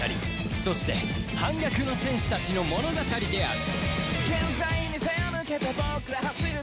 そして反逆の戦士たちの物語である